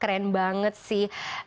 keren banget sih